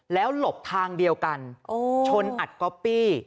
แล้วหลบทางเดียวกันชนอัดก๊อปปี้